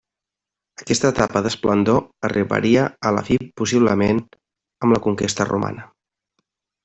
Aquesta etapa d'esplendor arribaria a la fi possiblement amb la conquesta romana.